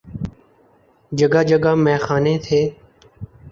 جگہ جگہ میخانے تھے۔